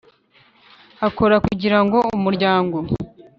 akora kugira ngo umuryango